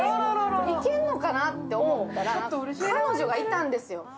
いけんのかなって思ったら彼女がいたんですよ。